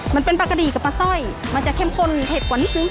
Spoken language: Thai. มันเป็นปลากะดีกับปลาสร้อยมันจะเข้มข้นเผ็ดกว่านิดนึง